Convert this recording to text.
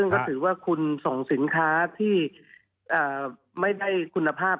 ซึ่งก็ถือว่าคุณส่งสินค้าที่ไม่ได้คุณภาพ